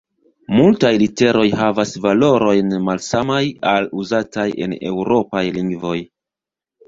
Multaj literoj havas valorojn malsamaj al uzataj en eŭropaj lingvoj.